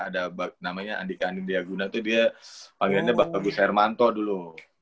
ada namanya andika andi diaguna itu dia panggilannya bagus hermanto dulu